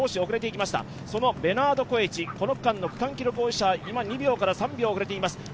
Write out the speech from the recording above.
そのベナード・コエチ、この区間の区間記録保持者、今、２秒から３秒遅れています。